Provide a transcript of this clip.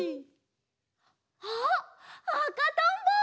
あっあかとんぼ！